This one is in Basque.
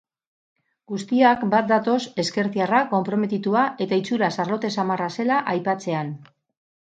Guztiak bat datoz ezkertiarra, konprometitua eta itxuraz arlote samarra zela aipatzean.